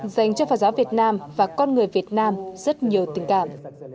dành cho phật giáo việt nam và con người việt nam rất nhiều tình cảm